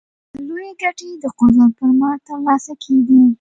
لویې ګټې د قدرت پر مټ ترلاسه کېدې.